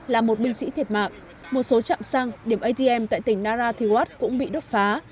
là một binh sĩ thiệt mạng một số chạm xăng điểm atm tại tỉnh narathiwatt cũng bị đốt phá